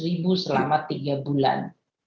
seratus ribu selama tiga bulan